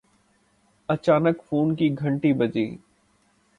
اچانک فون کی گھنٹی بجی